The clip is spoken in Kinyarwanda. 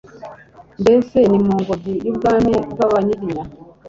Mbese ni mu ngobyi y'ubwami bw'Abanyiginya.